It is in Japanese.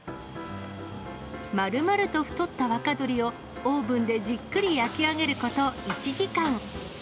まるまると太った若鶏をオーブンでじっくり焼き上げること１時間。